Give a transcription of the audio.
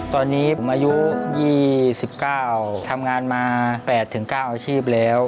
ตอนนี้ผมอายุ๒๙ทำงานมา๘๙อาชีพแล้ว